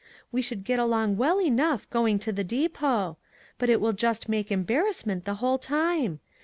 We should get along well enough going to the depot ; but it will just make embarrassment the whole time.